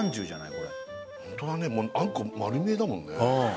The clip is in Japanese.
これ本当だねもうあんこ丸見えだもんね